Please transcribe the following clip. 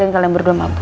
dan kalian berdua mabuk